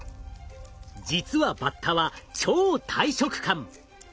実はバッタは超大食漢。